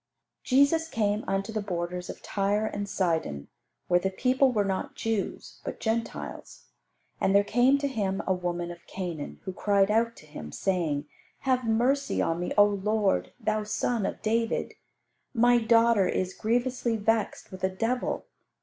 Jesus came unto the borders of Tyre and Sidon, where the people were not Jews, but Gentiles. And there came to Him a woman of Canaan, who cried out to Him, saying, "Have mercy on me, O Lord, Thou son of David; my daughter is grievously vexed with a devil."